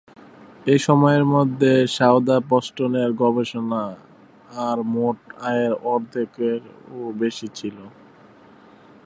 এই সময়ের মধ্যে, সাউদাম্পটনের গবেষণা আয় মোট আয়ের অর্ধেকেরও বেশি ছিল।